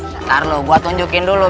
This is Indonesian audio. nanti lo gue tunjukin dulu